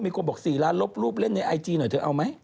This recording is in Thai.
มีคนบอก๔ล้านลบรูปเล่นในไอจีหน่อยเธอเอาไหม